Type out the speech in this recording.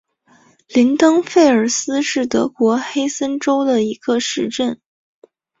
林登费尔斯是德国黑森州的一个市镇。